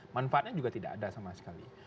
manfaatnya juga tidak ada sama sekali